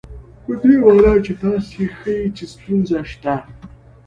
په دې مانا چې تاسې ښيئ چې ستونزه شته.